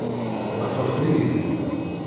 Ḍefret-iyi-d!